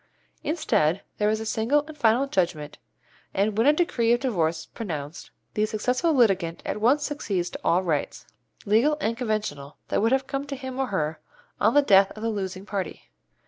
Instead there is a single and final judgment, and when a decree of divorce is pronounced the successful litigant at once succeeds to all rights, legal and conventional, that would have come to him or her on the death of the losing party.